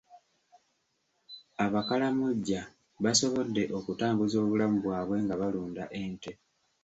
Abakalamojja basobodde okutambuza obulamu bwabwe nga balunda ente.